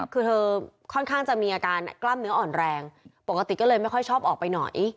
คือเธอค่อนข้างจะมีอาการกล้ามเนื้ออ่อนแรงปกติก็เลยไม่ค่อยชอบออกไปไหน